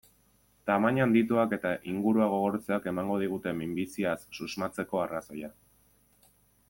Tamaina handituak eta ingurua gogortzeak emango digute minbiziaz susmatzeko arrazoia.